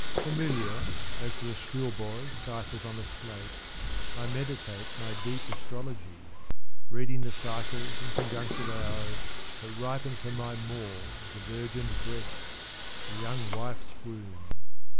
Familiar, As to a schoolboy ciphers on a slate, I meditate my deep astrology, Reading the cycles and conjunctive hours That ripen for my maw the virgin's breasts, The young wife's womb.